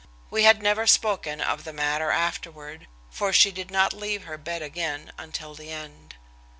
We had never spoken of the matter afterward, for she did not leave her bed again until the end.